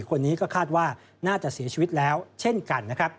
คนนี้ก็คาดว่าน่าจะเสียชีวิตแล้วเช่นกันนะครับ